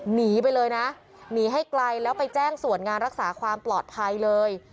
หนีไปเลยนะหนีให้ไกลแล้วไปแจ้งส่วนงานรักษาความปลอดภัยเลย